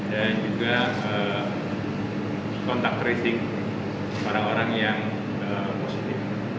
dan juga kontak tracing para orang yang positif